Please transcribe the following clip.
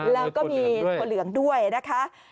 แล้วก็มีถั่วเหลืองด้วยนะคะ